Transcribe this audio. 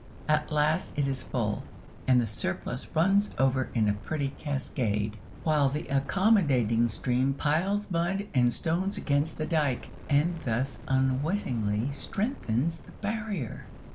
At last it is full, and the surplus runs over in a pretty cascade, while the accommodating stream piles mud and stones against the dike, and thus unwittingly strengthens the barrier.